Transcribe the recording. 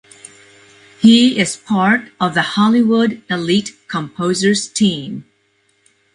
He is part of the Hollywood Elite composers team.